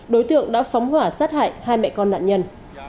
đối tượng đã phóng hỏa sát hại hai mẹ con nạn nhân